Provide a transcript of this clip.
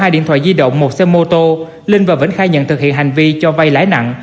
hai điện thoại di động một xe mô tô linh và vĩnh khai nhận thực hiện hành vi cho vay lãi nặng